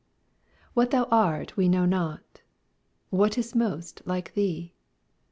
What thou art we know not; What is most like thee?